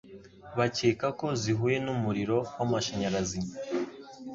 bakeka ko zihuye n'umuriro w'amashanyarazi.